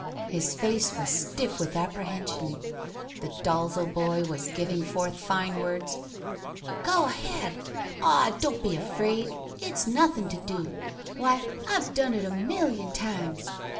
His face was stiff with apprehension. The Dalzel boy was giving forth fine words. "Go ahead. Aw, don't be afraid. It's nothin' to do. Why, I've done it a million times.